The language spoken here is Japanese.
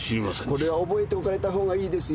これは覚えておかれた方がいいですよ。